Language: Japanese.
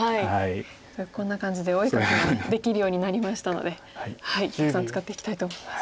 こんな感じでお絵かきができるようになりましたのでたくさん使っていきたいと思います。